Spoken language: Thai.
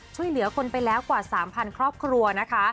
ช่วยเหลือคนไปแล้วกว่า๓๐๐ครอบครัวนะคะ